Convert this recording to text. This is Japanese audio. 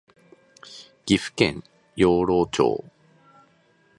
岐阜県養老町